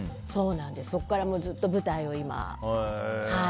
そこからずっと舞台を今。